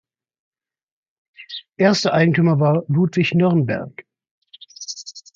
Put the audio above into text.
Erster Eigentümer war Ludwig Nürnberg.